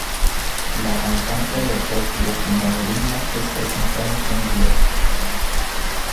La cantante de pop latino Belinda es presentada en el video.